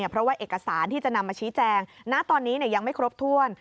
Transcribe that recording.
เพราะว่าเอกสารที่จะนำมาชี้แจงณตอนนี้ยังไม่ครบถ้วน